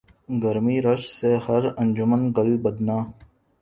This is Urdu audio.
گرمئی رشک سے ہر انجمن گل بدناں